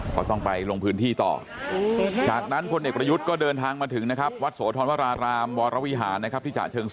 ก็ต้องไปลงพื้นที่ต่อ